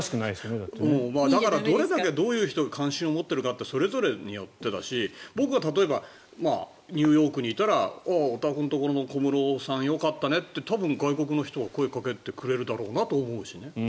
どんな人がどれだけ関心を持っているかってそれぞれによってだし僕は例えばニューヨークにいたらおたくのところの小室さんよかったねって多分、外国の人は声かけてくれるだろうなと思うしね。